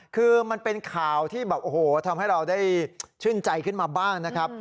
คือมันเป็นข่าวที่แบบโอ้โหทำให้เราได้ชื่นใจขึ้นมาบ้างนะครับ